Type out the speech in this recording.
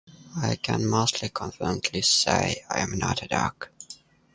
I can mostly confidently say: I am not a duck.